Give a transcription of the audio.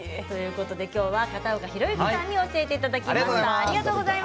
片岡宏之さんに教えていただきました。